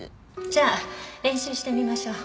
じゃあ練習してみましょう。